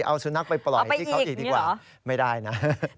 เอาสุนัขไปปล่อยที่เขาอีกดีกว่าไม่ได้นะใช่ไหมเอาไปอีกนี่หรอ